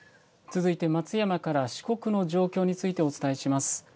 続いて松山から四国の状況についてお伝えします。